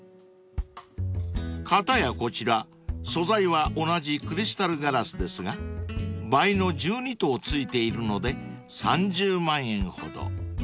［片やこちら素材は同じクリスタルガラスですが倍の１２灯付いているので３０万円ほど］